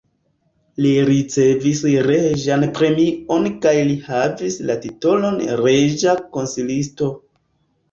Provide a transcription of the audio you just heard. Li ricevis reĝan premion kaj li havis la titolon reĝa konsilisto.